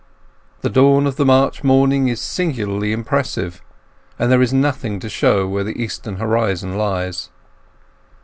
The dawn of the March morning is singularly inexpressive, and there is nothing to show where the eastern horizon lies.